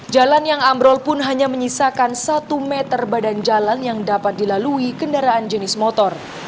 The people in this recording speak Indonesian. jalan yang ambrol pun hanya menyisakan satu meter badan jalan yang dapat dilalui kendaraan jenis motor